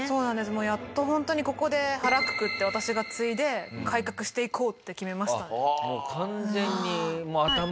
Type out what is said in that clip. もうやっとホントにここで腹くくって私が継いで改革していこうって決めましたね。